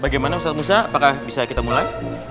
bagaimana ustadz muza apakah bisa kita mulai